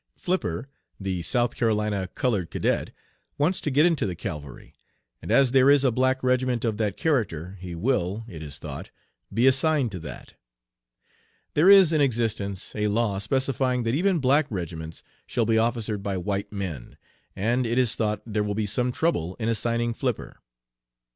Flipper, the South Carolina colored cadet, wants to get into the cavalry, and as there is a black regiment of that character he will, it is thought, be assigned to that. There is in existence a law specifying that even black regiments shall be officered by white men, and it is thought there will be some trouble in assigning Flipper.